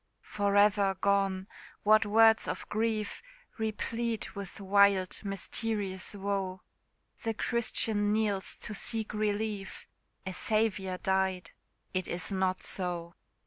For ever gone! what words of grief Replete with wild mysterious woe! The Christian kneels to seek relief A Saviour died It is not so.